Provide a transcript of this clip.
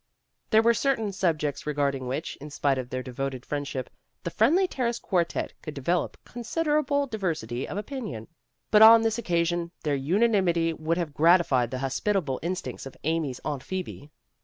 There were certain subjects regarding which, in spite of their devoted friendship, the Friendly Terrace quartette could develop con siderable diversity of opinion. But on this oc casion, their unanimity would have gratified the hospitable instincts of Amy's Aunt Phoe be.